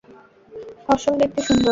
ফসল দেখতে সুন্দর।